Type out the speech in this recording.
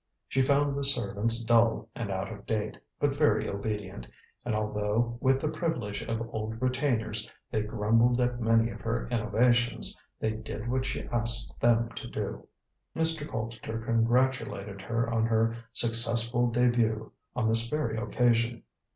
She found the servants dull and out of date, but very obedient; and although, with the privilege of old retainers, they grumbled at many of her innovations, they did what she asked them to do. Mr. Colpster congratulated her on her successful début on this very occasion.